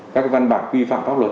các văn bản quy phạm pháp luật